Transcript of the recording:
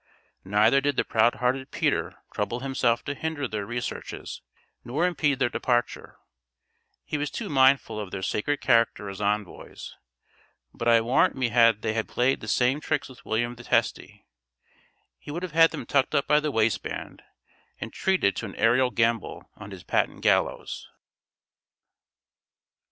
Neither did the proud hearted Peter trouble himself to hinder their researches nor impede their departure; he was too mindful of their sacred character as envoys; but I warrant me had they played the same tricks with William the Testy, he would have had them tucked up by the waistband, and treated to an aerial gambol on his patent gallows.